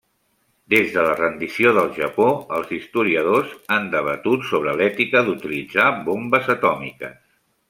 Des de la rendició del Japó, els historiadors han debatut sobre l'ètica d'utilitzar bombes atòmiques.